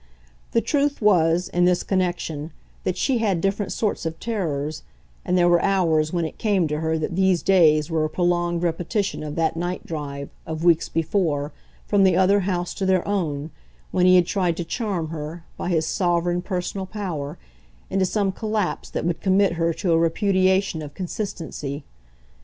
The truth was, in this connection, that she had different sorts of terrors, and there were hours when it came to her that these days were a prolonged repetition of that night drive, of weeks before, from the other house to their own, when he had tried to charm her, by his sovereign personal power, into some collapse that would commit her to a repudiation of consistency.